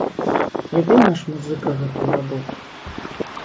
Любіў наш музыка гэту работу.